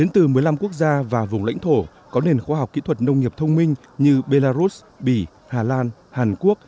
từ một mươi năm quốc gia và vùng lãnh thổ có nền khoa học kỹ thuật nông nghiệp thông minh như belarus bỉ hà lan hàn quốc